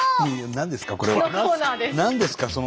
何ですか？